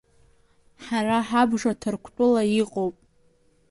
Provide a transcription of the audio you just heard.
Ҳара ҳабжа Ҭырқәтәыла иҟоуп.